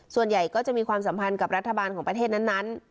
ส่วนใหญ่ก็จะมีความสัมพันธ์กับรัฐบาลของประเทศนั้น